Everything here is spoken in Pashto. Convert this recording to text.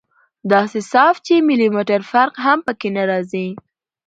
داسې صاف چې ملي مټر فرق هم پکښې نه رځي.